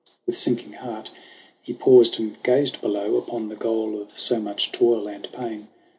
With sinking heart he paused and gazed below Upon the goal of so much toil and pain.